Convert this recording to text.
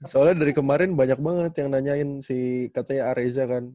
soalnya dari kemarin banyak banget yang nanyain si katanya areza kan